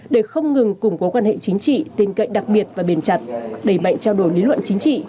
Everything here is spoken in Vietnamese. để không ngừng củng cố quan hệ chính trị tin cậy đặc biệt và bền chặt đẩy mạnh trao đổi lý luận chính trị